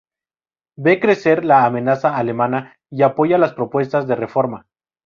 Ve crecer la amenaza alemana y apoya las propuestas de reforma.